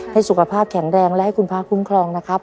ให้สุขภาพแข็งแรงและให้คุณพระคุ้มครองนะครับ